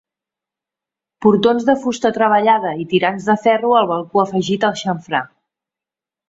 Portons de fusta treballada i tirants de ferro al balcó afegit al xamfrà.